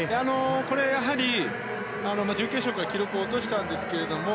やはり準決勝から記録を落としたんですけども